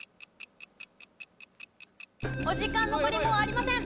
お時間残りもうありません。